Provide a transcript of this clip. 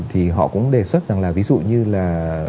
thì họ cũng đề xuất rằng là ví dụ như là